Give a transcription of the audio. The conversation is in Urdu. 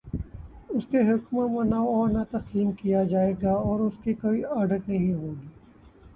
اسے حکما من و عن تسلیم کیا جائے گا اور اس کا کوئی آڈٹ نہیں ہو گا۔